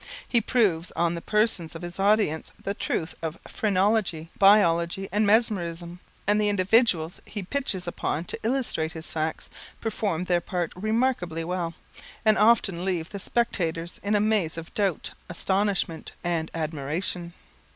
He proves on the persons of his audience the truth of phrenology, biology, and mesmerism, and the individuals he pitches upon to illustrate his facts perform their parts remarkably well, and often leave the spectators in a maze of doubt, astonishment, and admiration.